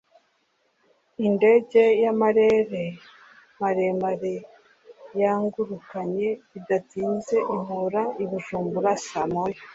indege y'amarere maremare yangurukanye bidatinze inkura i Bujumbura sa moya